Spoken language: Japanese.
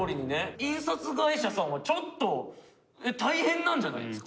印刷会社さんはちょっと大変なんじゃないんですか？